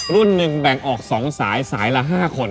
รุ่นหนึ่งแบ่งออก๒สายสายละ๕คน